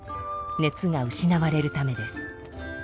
熱が失われるためです。